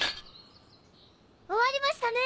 終わりましたね！